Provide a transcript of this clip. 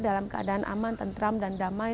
dalam keadaan aman tentram dan damai